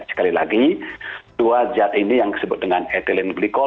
sekali lagi dua zat ini yang disebut dengan ethylene glycol